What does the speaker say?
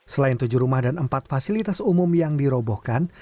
selain tujuh rumah dan empat fasilitas umum yang dirobohkan